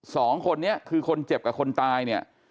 สองคนนี้คือคนเจ็บกับคนตายเนี่ย